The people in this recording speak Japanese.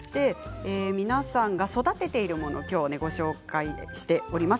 皆さんが育てているものをご紹介します。